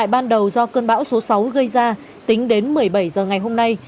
bão số sáu gây ra tính đến một mươi bảy h ngày hôm nay